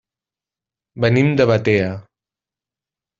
Venim de Batea.